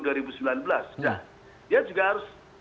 dia juga harus